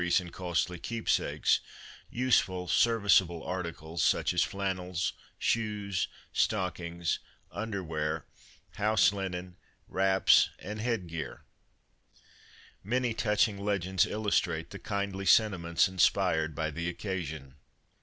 03 3" ^■1 BBHurf"^ Harp A Rogal Christmas Tree and costly keepsakes, useful, serviceable articles, such as flannels, shoes, stockings, underwear, house linen, wraps and head gear. Many touching legends illustrate the kindly sentiments inspired by the occasion.